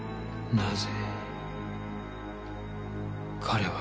なぜ？